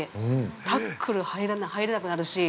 タックル入れなくなるし。